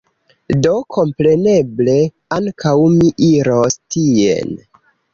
Do, kompreneble, ankaŭ mi iros tien